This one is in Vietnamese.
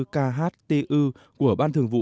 năm mươi bốn khtu của ban thường vụ